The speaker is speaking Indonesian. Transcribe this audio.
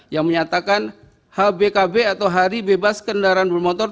yang menyatakan hbkb atau hari bebas kendaraan bermotor